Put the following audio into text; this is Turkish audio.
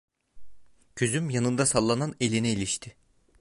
Gözüm yanında sallanan eline ilişti.